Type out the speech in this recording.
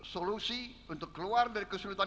solusi untuk keluar dari kesulitan